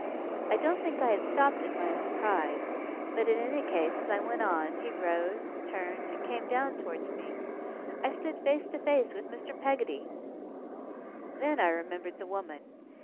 I don't think I had stopped in my surprise; but, in any case, as I went on, he rose, turned, and came down towards me. I stood face to face with Mr. Peggotty! Then I remembered the woman.